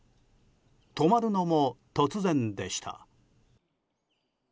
止まるのも突然でした。